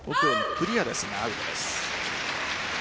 クリアですがアウトです。